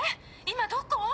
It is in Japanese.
今どこ？